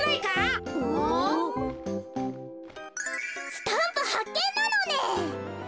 スタンプはっけんなのね。